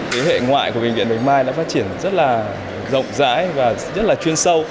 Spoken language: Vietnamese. thế hệ ngoại của bệnh viện bạch mai đã phát triển rất là rộng rãi và rất là chuyên sâu